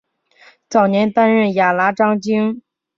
早年担任甲喇章京。